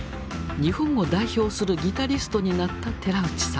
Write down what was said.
日本を代表するギタリストになった寺内さん。